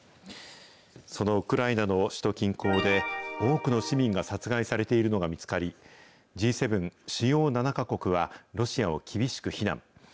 そのウクライナの首都近郊で、多くの市民が殺害されているのが見つかり、Ｇ７・主要７か国はロシアを厳しく非難。